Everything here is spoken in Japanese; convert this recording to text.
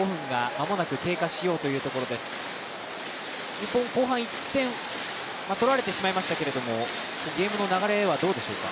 日本、後半１点は取られてしまいましたけど、ゲームの流れはどうでしょうか？